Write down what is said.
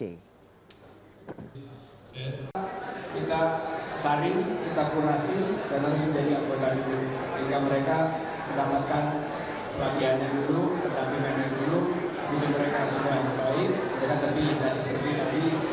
kita tarik kita kurasi dan langsung jadi akunan